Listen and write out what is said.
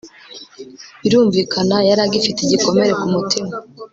birumvikana yari agifite igikomere ku mutima